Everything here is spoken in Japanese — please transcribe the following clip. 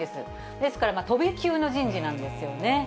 ですから飛び級の人事なんですよね。